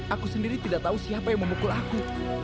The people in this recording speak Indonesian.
aku sendiri tidak tahu siapa yang memukul aku